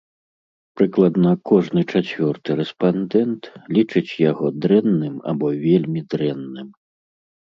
Прыкладна кожны чацвёрты рэспандэнт лічыць яго дрэнным або вельмі дрэнным.